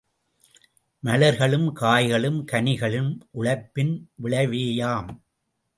மலர்களும் காய்களும் கனிகளும் உழைப்பின் விளைவேயாம்.